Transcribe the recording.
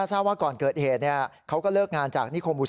ท่าว่าก่อนเกิดเหตุเนี่ยเขาก็เลิกงานจากนิคมอุษากรรม